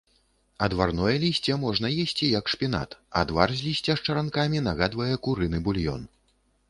Адварное лісце можна есці як шпінат, адвар з лісця з чаранкамі нагадвае курыны булён.